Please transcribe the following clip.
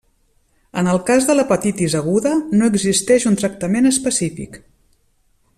En el cas de l'hepatitis aguda, no existeix un tractament específic.